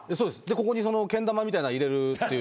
ここにけん玉みたいなの入れるっていう。